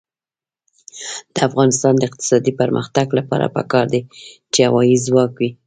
د افغانستان د اقتصادي پرمختګ لپاره پکار ده چې هوایی ځواک وي.